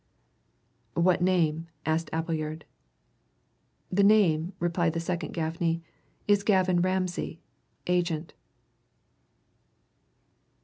"What name?" asked Appleyard. "The name," replied the second Gaffney, "is Gavin Ramsay Agent."